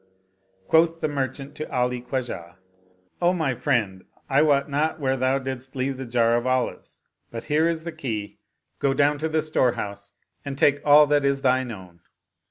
Quoth the merchant to Ali Khwajah, "O my friend, I wot not where thou didst leave the jar of olives ; but here is the key, go down to the store house and take all that is thine own.'